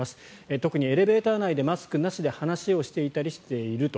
特にエレベーター内でマスクなしで話をしたりしていると。